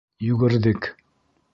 Йүгерҙек!